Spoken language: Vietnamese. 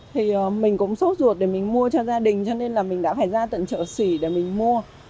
thì mình cũng sốt ruột để mình mua cho gia đình cho nên là mình đã phải ra tận chợ xỉ để mình mua